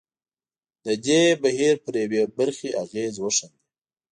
د دې بهیر پر یوې برخې اغېز وښندي.